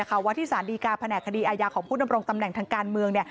ว่าที่สารดีการแผนกคดีอาญาของผู้ดำรงตำแหน่งทางการเมือง